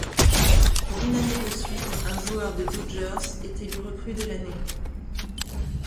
Pour une année de suite, un joueur des Dodgers est élu recrue de l'année.